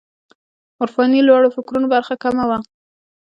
عرفاني لوړو فکرونو برخه کمه وه.